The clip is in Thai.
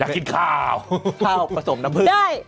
ข้าวผสมน้ำพึ่ง